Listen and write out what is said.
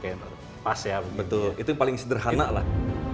oke pas ya betul itu yang paling sederhana lah